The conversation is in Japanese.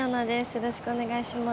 よろしくお願いします。